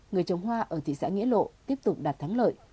người trồng hoa ở thị xã nghĩa lộ tiếp tục đạt thắng lợi